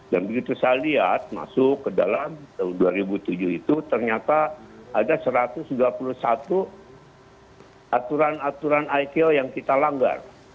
dan begitu saya lihat masuk ke dalam tahun dua ribu tujuh itu ternyata ada satu ratus dua puluh satu aturan aturan iq yang kita langgar